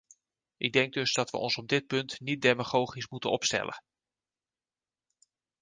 Ik denk dus dat we ons op dit punt niet demagogisch moeten opstellen.